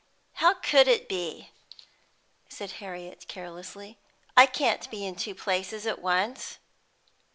"How could it be?" said Harriet carelessly. "I can't be in two places at once."